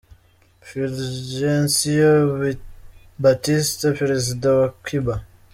Fulgencio Batista, perezida wa wa Cuba.